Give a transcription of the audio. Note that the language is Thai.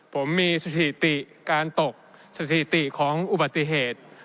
ผมมีสถิติการตกสถิติของอุบัติเหตุ